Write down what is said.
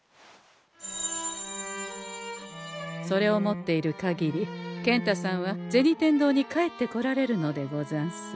それを持っている限り健太さんは銭天堂に帰ってこられるのでござんす。